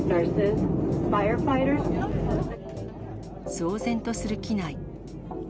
騒然とする機内。